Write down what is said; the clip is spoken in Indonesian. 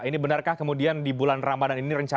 ini benarkah kemudian di bulan ramadan ini rencana